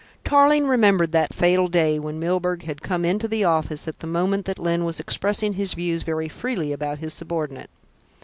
Tarling remembered that fatal day when Milburgh had come into the office at the moment that Lyne was expressing his views very freely about his subordinate.